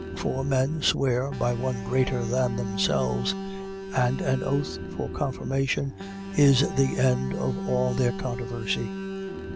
6:16. For men swear by one greater than themselves: and an oath for confirmation is the end of all their controversy.